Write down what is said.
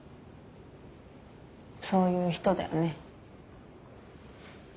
そういう人だよね。